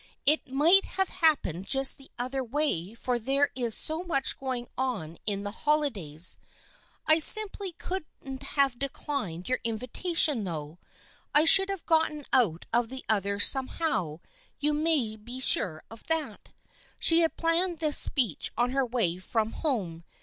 It might have happened just the other way for there is so much going on in the holidays. I simply couldn't have declined your invitation, though. I should have gotten out of the other somehow, you may be sure of that." She had planned this speech on her way from home.